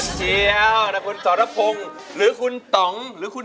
ด้านล่างเขาก็มีความรักให้กันนั่งหน้าตาชื่นบานมากเลยนะคะ